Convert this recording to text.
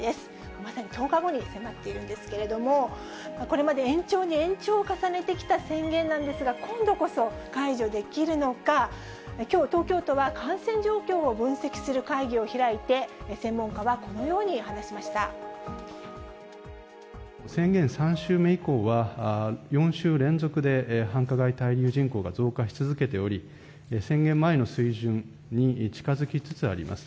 まさに１０日後に迫っているんですけれども、これまで延長に延長を重ねてきた宣言なんですが、今度こそ解除できるのか、きょう、東京都は感染状況を分析する会議を開いて、専門家はこのように話宣言３週目以降は、４週連続で繁華街滞留人口が増加し続けており、宣言前の水準に近づきつつあります。